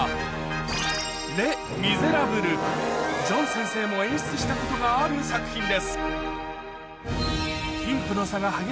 ジョン先生も演出したことがある作品です